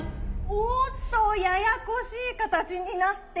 おおっとややこしい形になっていますが。